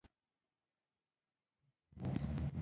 دای ایتایل ایتر په آیونونو نه جلا کیږي.